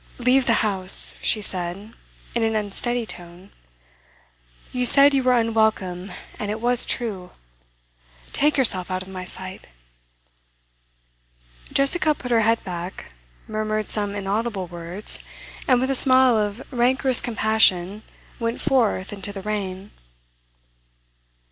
'Leave the house,' she said, in an unsteady tone. 'You said you were unwelcome, and it was true. Take yourself out of my sight!' Jessica put her head back, murmured some inaudible words, and with a smile of rancorous compassion went forth into the rain.